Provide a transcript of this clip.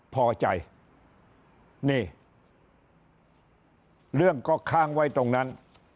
พอใจนี่เรื่องก็ค้างไว้ตรงนั้น